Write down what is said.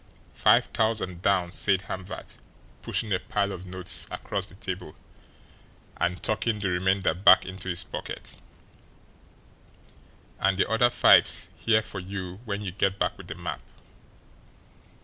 "Five thousand down," said Hamvert, pushing a pile of notes across the table, and tucking the remainder back into his pocket; "and the other five's here for you when you get back with the map.